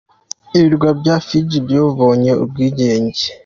Ibirwa bya Fiji byabonye ubwigenge.